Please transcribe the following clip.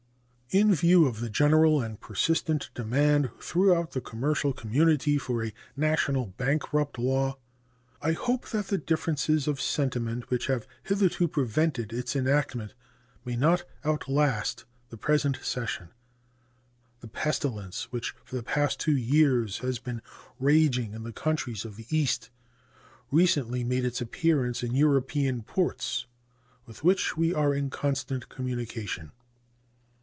In view of the general and persistent demand throughout the commercial community for a national bankrupt law, I hope that the differences of sentiment which have hitherto prevented its enactment may not outlast the present session. The pestilence which for the past two years has been raging in the countries of the East recently made its appearance in European ports with which we are in constant communication.